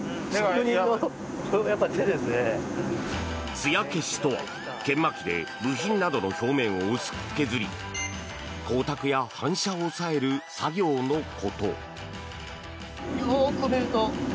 つや消しとは研磨機で部品などの表面を薄く削り光沢や反射を抑える作業のこと。